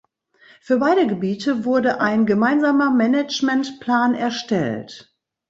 Für beide Gebiete wurde ein gemeinsamer Managementplan erstellt.